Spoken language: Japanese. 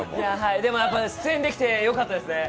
でも出演できてよかったですね。